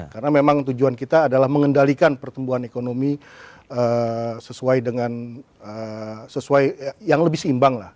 karena memang tujuan kita adalah mengendalikan pertumbuhan ekonomi sesuai dengan sesuai yang lebih seimbang lah